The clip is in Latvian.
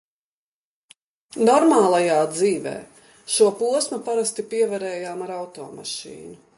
"Normālajā dzīvē" šo posmu parasti pievarējām ar automašīnu.